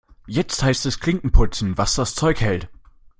Jetzt heißt es Klinken putzen, was das Zeug hält.